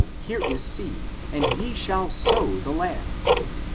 here is seed, and ye shall sow the land.